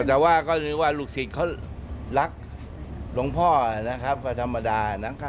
แต่ว่าก็คือว่าลูกศิษย์เขารักหลวงพ่อนะครับก็ธรรมดานะ